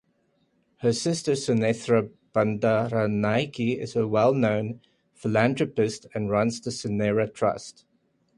Her sister Sunethra Bandaranaike is a well-known philanthropist and runs the Sunera Trust.